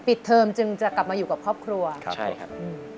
เทอมจึงจะกลับมาอยู่กับครอบครัวใช่ครับอืม